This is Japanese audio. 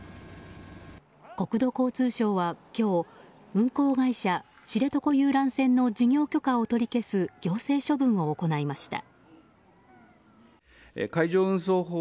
国土交通省は今日運航会社、知床遊覧船の事業許可を取り消す行政処分を行いました。